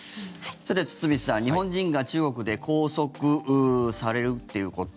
堤さん、日本人が中国で拘束されるっていうこと